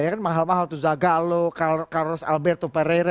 ya kan mahal mahal tuh zagalo carlos alberto pereira